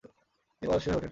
তিনি পারদর্শী হয়ে উঠেন।